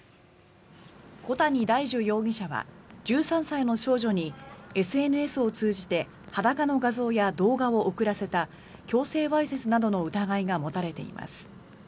小谷大樹容疑者は１３歳の少女にＳＮＳを通じて裸の画像や動画を送らせた強制わいせつなどの疑いが持たれています。